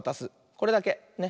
これだけ。ね。